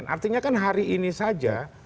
artinya kan hari ini saja